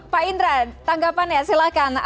pak indra tanggapannya silakan